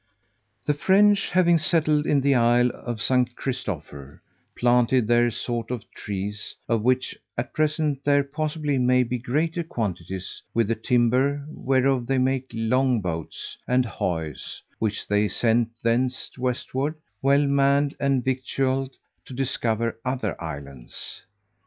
The French having settled in the isle of St. Christopher, planted there a sort of trees, of which, at present, there possibly may be greater quantities; with the timber whereof they made long boats, and hoys, which they sent thence westward, well manned and victualled, to discover other islands.